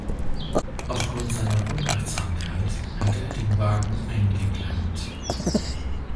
Aufgrund seiner Unachtsamkeit hat er den Wagen eingeplankt.